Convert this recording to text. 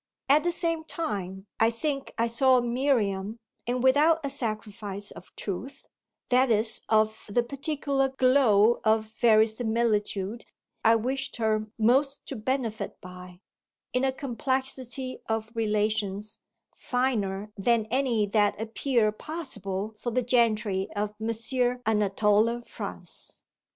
At the same time I think I saw Miriam, and without a sacrifice of truth, that is of the particular glow of verisimilitude I wished her most to benefit by, in a complexity of relations finer than any that appear possible for the gentry of M. Anatole France.